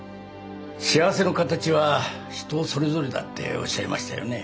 幸せの形は人それぞれだっておっしゃいましたよね。